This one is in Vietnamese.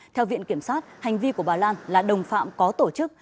theo viện kiểm sát hành vi của bà lan là đồng phạm có tổ chức